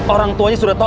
orang tuanya sudah tahu